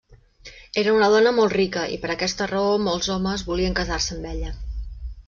Era una dona molt rica i per aquesta raó molts homes volien casar-se amb ella.